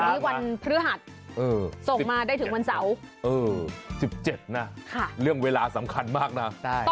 วันนี้วันพฤหัสส่งมาได้ถึงวันเสาร์๑๗นะเรื่องเวลาสำคัญมากนะ